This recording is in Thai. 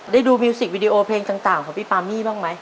ดูมิวสิกวิดีโอเพลงต่างของพี่ปามี่บ้างไหม